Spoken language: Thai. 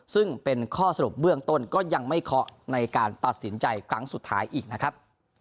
ซึ่งเป็นข้อสรุปเบื้องต้นก็ยังไม่เคาะในการตัดสินใจครั้งสุดท้ายอีกนะครับ